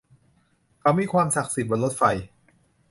เขามีความศักดิ์สิทธิ์บนรถไฟ